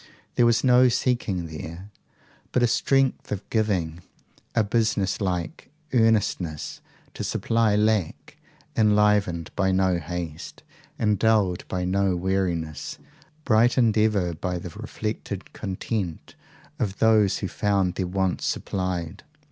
There was no seeking there, but a strength of giving, a business like earnestness to supply lack, enlivened by no haste, and dulled by no weariness, brightened ever by the reflected content of those who found their wants supplied.